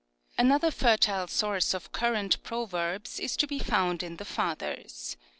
Another fertile source of current proverbs is to be found in the Fathers.